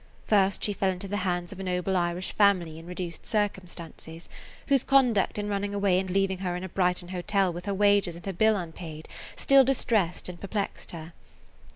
First she fell into the hands of a noble Irish family in reduced circumstances, whose conduct in running away and leaving her in a Brighton hotel with her wages and her bill unpaid still distressed and perplexed her.